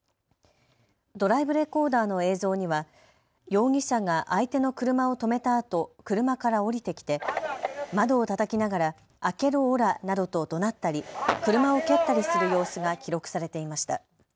ドライブレコーダーの映像には容疑者が相手の車を止めたあと車から降りてきて、窓をたたきながら開けろ、おらなどとどなったり車を蹴ったりする様子が記録されていました。